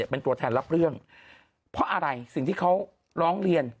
เป็นตัวแทนรับเรื่องเพราะอะไรสิ่งที่เขาร้องเรียน